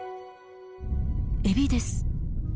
エビです。